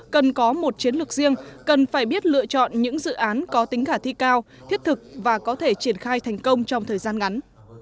cần có một chiến lược riêng cần phải biết lựa chọn những dự án có tính khả thi cao thiết thực và có thể triển khai thành công trong thời gian ngắn